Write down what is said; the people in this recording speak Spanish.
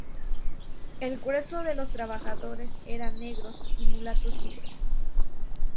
El grueso de los trabajadores eran negros y mulatos libres.